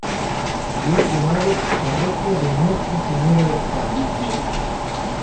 Y es llamado Parroquia de Nuestra Señora del Carmen